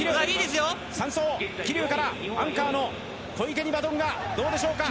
３走・桐生からアンカーの小池にバトンが、どうでしょうか。